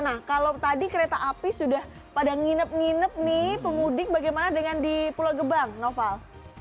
nah kalau tadi kereta api sudah pada nginep nginep nih pemudik bagaimana dengan di pulau gebang noval